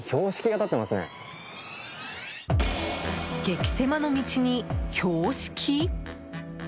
激狭の道に標識。